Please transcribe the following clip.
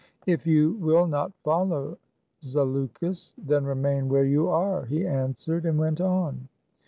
" If you will not follow, Zaleukos, then remain where you are !" he answered, and went on.